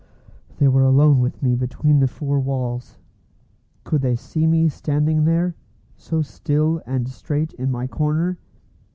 They were alone with me between the four walls. Could they see me standing there, so still and straight in my corner?